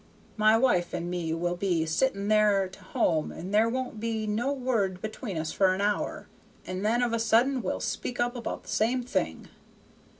My wife and me will be sitting there to home and there won't be no word between us for an hour, and then of a sudden we'll speak up about the same thing.